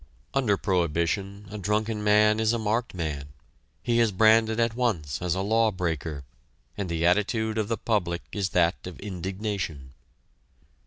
Under prohibition, a drunken man is a marked man he is branded at once as a law breaker, and the attitude of the public is that of indignation.